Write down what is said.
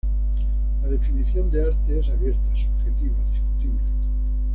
La definición de arte es abierta, subjetiva, discutible.